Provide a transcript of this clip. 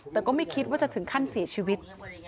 แต่ก็ไม่คิดว่าจะถึงขั้นเสียชีวิต